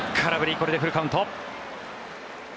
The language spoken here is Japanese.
これでフルカウント。